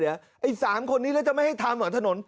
ไอ้๓คนนี้แล้วจะไม่ให้ทำเหรอถนน